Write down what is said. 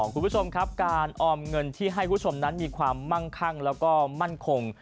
คุณผู้ชมครับการออมเงินที่ให้ผู้ชมนั้นมีความมั่งคั่งแล้วก็มั่นคง